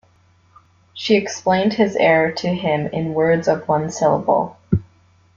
She explained his error to him in words of one syllable.